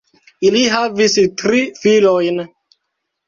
Ili havis tri filojn.